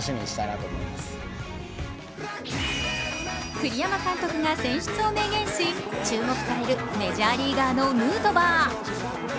栗山監督が選出を明言し、注目されるメジャーリーガーのヌートバー。